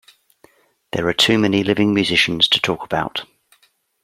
There are too many living musicians to talk about.